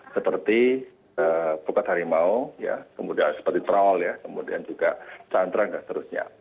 seperti bukat harimau ya kemudian seperti troll ya kemudian juga tantra dan seterusnya